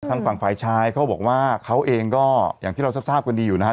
ทางฝั่งไฟชายเขาบอกว่าเขาเองก็อย่างที่เราทรัพย์ทราบกันดีอยู่นะคะ